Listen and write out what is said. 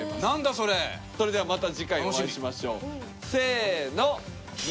それではまた次回お会いしましょうせの。